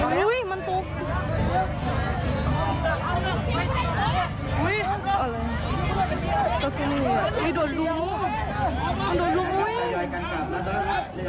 มาแล้วพวกมามาแล้ว